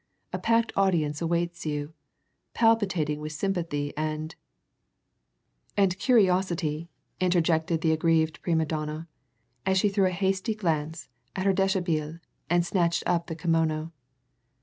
A packed audience awaits you palpitating with sympathy and " "And curiosity," interjected the aggrieved prima donna, as she threw a hasty glance at her deshabille and snatched up the kimono.